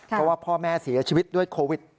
เพราะว่าพ่อแม่เสียชีวิตด้วยโควิด